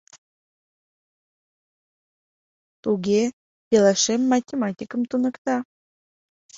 — Туге, пелашем математикым туныкта.